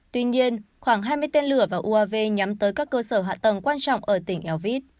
tuy nhiên khoảng hai mươi tên lửa và uav nhắm tới các cơ sở hạ tầng quan trọng ở tỉnh eovit